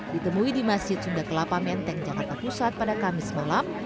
ditemui di masjid sunda kelapa menteng jakarta pusat pada kamis malam